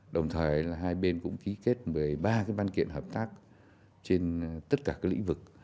đồng thời hai bên cũng ký kết một mươi ba ban kiện hợp tác trên tất cả các lĩnh vực